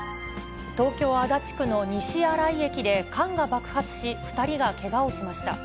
東京・足立区の西新井駅で缶が爆発し、２人がけがをしました。